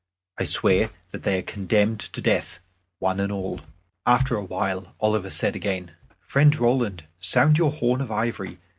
I swear that they are condemned to death, one and all." After a while, Oliver said again, "Friend Roland, sound your horn of ivory.